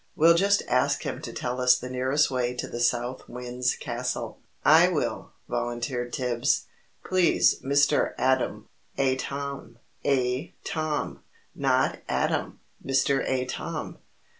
We'll just ask him to tell us the nearest way to the South Wind's Castle." "I will," volunteered Tibbs. "Please, Mr. Adam " "Atom ATOM! Not Adam! Mr. A. Tom."